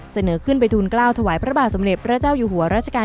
เสนอขึ้นทรุงกล้าวทวายพระบาทสำเร็จราชเซนะคะราชกาล๖